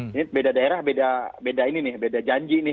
ini beda daerah beda ini nih beda janji nih